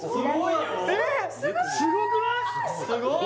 ・すごーい！